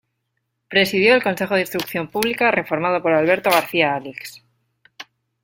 Presidió el Consejo de Instrucción Pública reformado por Alberto García-Alix.